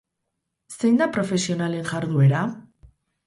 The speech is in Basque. Zein da profesionalen jarduera?